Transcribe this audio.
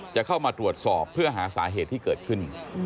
จะเข้ามาตรวจสอบเพื่อหาสาเหตุที่เกิดขึ้น